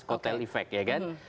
kotel efek ya kan